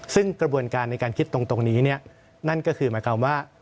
ซึ่งกระบวนการในการคิดตรงนี้นั่นก็คือหมายความว่า